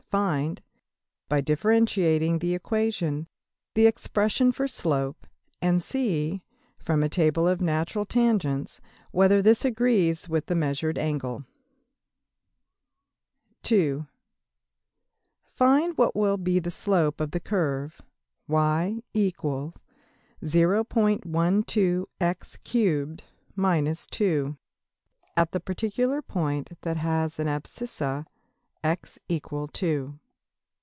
Find, by differentiating the equation, the expression for slope; and see, from a Table of Natural Tangents, whether this agrees with the measured angle. \Item{(2)} Find what will be the slope of the curve \[ y = 0.12x^3 2, \] at the particular point that has as abscissa $x = 2$.